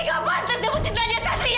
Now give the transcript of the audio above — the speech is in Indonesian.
gak pantas ngebut cintanya satria